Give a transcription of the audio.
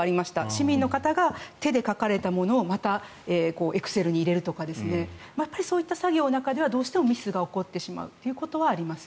市民の方が手で書かれたものをまたエクセルに入れるとかそういった作業の中ではどうしてもミスが起こってしまうということはあります。